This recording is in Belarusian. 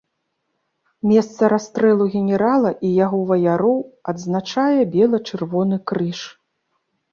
Месца расстрэлу генерала і яго ваяроў адзначае бела-чырвоны крыж.